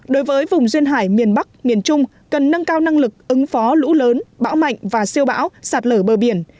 đối với vùng duyên hải miền bắc miền trung cần nâng cao năng lực ứng phó lũ lớn bão mạnh và siêu bão sạt lở bờ biển